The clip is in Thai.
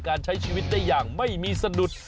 การใช้ชีวิตได้อย่างไม่มีสะดุด